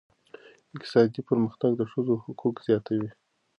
اقتصادي پرمختګ د ښځو حقوق زیاتوي.